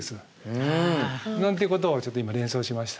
なんていうことをちょっと今連想しました。